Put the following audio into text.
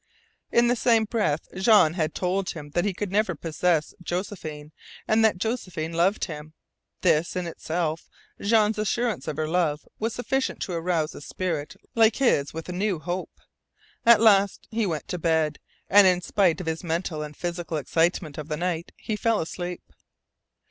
In the same breath Jean had told him that he could never possess Josephine, and that Josephine loved him. This in itself, Jean's assurance of her love, was sufficient to arouse a spirit like his with new hope. At last he went to bed, and in spite of his mental and physical excitement of the night, he fell asleep.